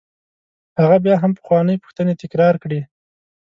هغه بیا هم پخوانۍ پوښتنې تکرار کړې.